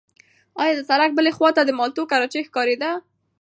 ایا د سړک بلې خوا ته د مالټو کراچۍ ښکارېده؟